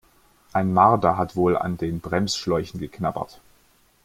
Ein Marder hat wohl an den Bremsschläuchen geknabbert.